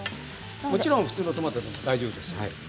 もちろん普通のトマトでも大丈夫です。